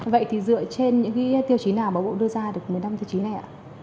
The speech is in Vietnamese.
vậy thì dựa trên những cái tiêu chí nào mà bộ đưa ra được một mươi năm tiêu chí này ạ